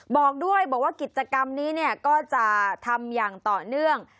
บอกด้วยบอกว่ากิจกรรมนี้ก็จะทำอย่างต่อเนื่อง